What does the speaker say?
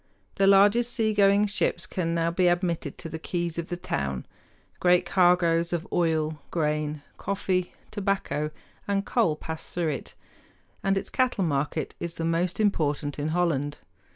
The largest seagoing ships can now be admitted to the quays of the town. Great cargoes of oil, grain, coffee, tobacco, and coal pass through it, and its cattle market is the most important in Holland.